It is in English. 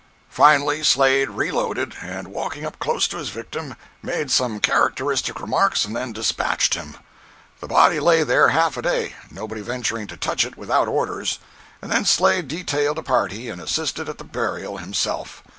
Finally Slade reloaded, and walking up close to his victim, made some characteristic remarks and then dispatched him. The body lay there half a day, nobody venturing to touch it without orders, and then Slade detailed a party and assisted at the burial himself.